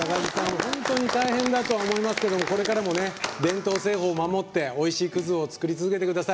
本当に大変だと思いますけどこれからも伝統製法を守っておいしい葛を作り続けてください。